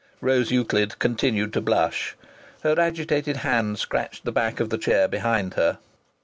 Rose Euclid continued to blush. Her agitated hand scratched the back of the chair behind her.